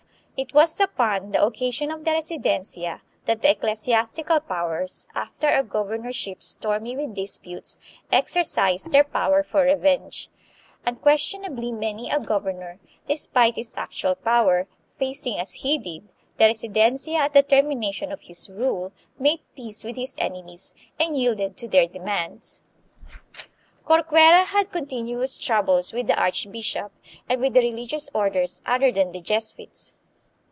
It was upon the occasion of the Residencia that the ecclesiastical powers, after a governorship stormy with disputes, exercised their power for revenge. Unquestion ably many a governor, despite his actual power, facing, as he did, the Residencia at the termination of his rule, made peace with his enemies and yielded to their de mands. 204 THE PHILIPPINES. Corcuera had continuous troubles with the archbishop and with the religious orders other than the Jesuits.